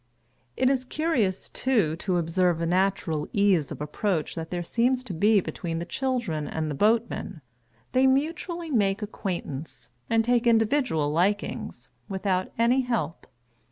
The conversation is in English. It is curious, too, to observe a natural ease of approach that there seems to be between the children and the boatmen. They mutually make acquaintance, and take individual likings, without any help.